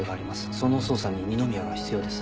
その捜査に二宮が必要です。